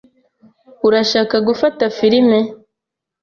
Urashaka gufata firime?